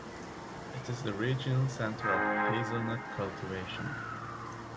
It is the regional center of hazelnut cultivation.